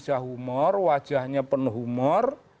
pak selo bisa humor wajahnya penuh humor